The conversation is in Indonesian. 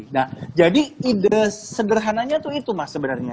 nah jadi ide sederhananya tuh itu mas sebenarnya